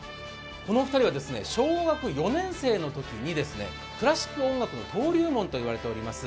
このお二人は小学４年生のときに、クラシック音楽の登竜門といわれております。